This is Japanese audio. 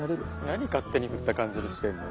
何勝手にふった感じにしてんの？